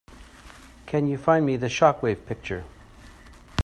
Can you find me the Shockwave picture?